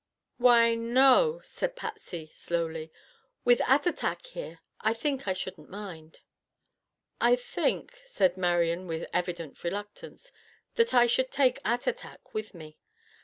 "Why, no," said Patsy slowly, "with Attatak here I think I shouldn't mind." "I think," said Marian with evident reluctance, "that I should take Attatak with me.